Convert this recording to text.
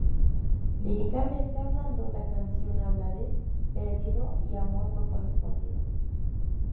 Líricamente hablando, la canción habla de "perdido y amor no correspondido".